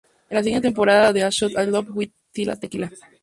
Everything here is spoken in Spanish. Es la siguiente temporada de "A Shot at Love with Tila Tequila".